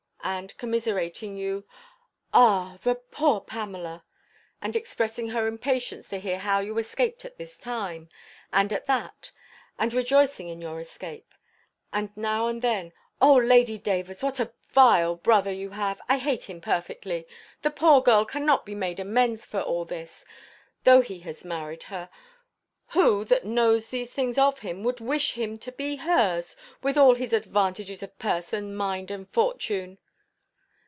And, commiserating you, "Ah! the poor Pamela!" And expressing her impatience to hear how you escaped at this time, and at that, and rejoicing in your escape. And now and then, "O, Lady Davers, what a vile brother you have! I hate him perfectly. The poor girl cannot be made amends for all this, though he has married her. Who, that knows these things of him, would wish him to be hers, with all his advantages of person, mind, and fortune?"